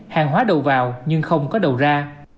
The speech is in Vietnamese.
hàng hóa đầu vào nhưng không có đầu ra